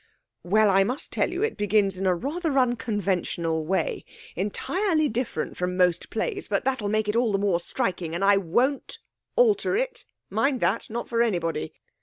'Well, I must tell you it begins in a rather unconventional way entirely different from most plays; but that'll make it all the more striking, and I won't alter it mind that not for anybody.